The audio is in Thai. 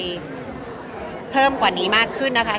แค่เพิ่มกับตอนนี้มากขึ้นนะครับ